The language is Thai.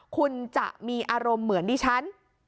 คุณจะมีอารมณ์เหมือนดิฉัน